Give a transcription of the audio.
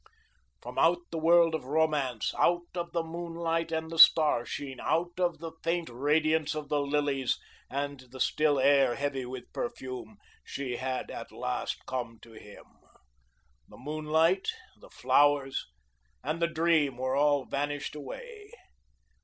From out the world of romance, out of the moonlight and the star sheen, out of the faint radiance of the lilies and the still air heavy with perfume, she had at last come to him. The moonlight, the flowers, and the dream were all vanished away.